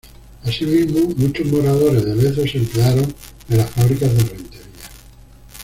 Asimismo, muchos moradores de Lezo se emplearon en las fábricas de Rentería.